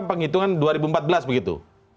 penghitungan dua ribu empat belas begitu